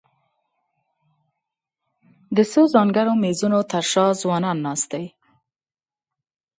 د څو ځانګړو مېزونو تر شا ځوانان ناست دي.